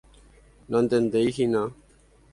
Nantendeihína.